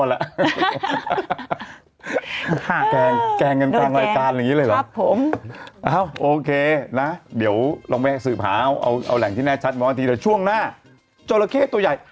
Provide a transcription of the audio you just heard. ห้าแกงแกงกันปั้งรายการแบบนี้เลยเหรอครับผมอ้าวโอเคนะเดี๋ยวลองไปสืบหาเอาเอาแหล่งที่แน่ชัดถึงนะช่วงหน้าเจาระเข้ต่อใหญ่